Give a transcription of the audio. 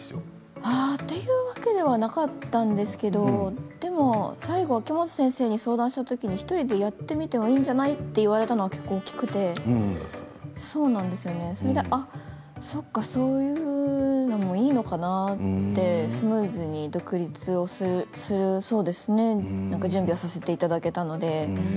というわけではなかったんですけれどでも最後、秋元先生に相談した時に１人でやってみてもいいんじゃない？って言われたのが結構大きくてそれでそういうのもいいのかなってスムーズに独立をするそうですねって準備をさせていただけたので。